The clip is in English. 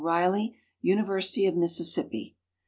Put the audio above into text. RILEY, UNIVERSITY OF MISSISSIPPI.